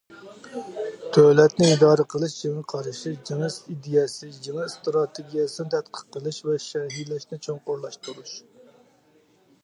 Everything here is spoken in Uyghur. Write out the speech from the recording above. دۆلەتنى ئىدارە قىلىش يېڭى قارىشى، يېڭى ئىدىيەسى، يېڭى ئىستراتېگىيەسىنى تەتقىق قىلىش ۋە شەرھلەشنى چوڭقۇرلاشتۇرۇش.